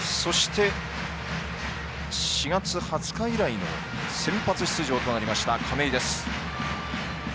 ４月２０日以来の先発出場となりました亀井です。